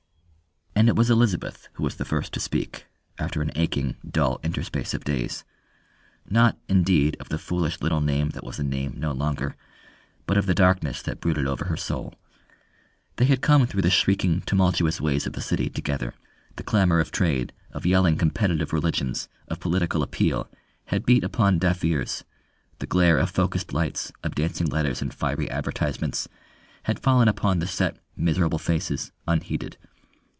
And it was Elizabeth who was the first to speak, after an aching, dull interspace of days: not, indeed, of the foolish little name that was a name no longer, but of the darkness that brooded over her soul. They had come through the shrieking, tumultuous ways of the city together; the clamour of trade, of yelling competitive religions, of political appeal, had beat upon deaf ears; the glare of focussed lights, of dancing letters, and fiery advertisements, had fallen upon the set, miserable faces unheeded.